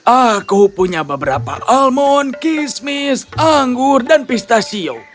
aku punya beberapa almond kismis anggur dan pistachio